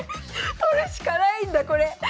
取るしかないんだこれ。